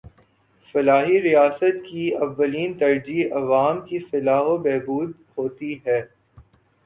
فلاحی ریاست کی اولین ترجیح عوام کی فلاح و بہبود ہوتی ہے۔